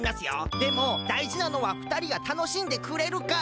でもだいじなのはふたりがたのしんでくれるかですよね。